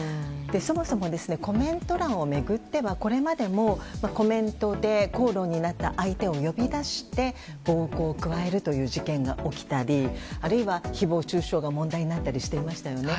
そもそもコメント欄を巡ってはこれまでもコメントで口論になった相手を呼び出して、暴行を加えるという事件が起きたりあるいは誹謗中傷が問題になったりしていましたよね。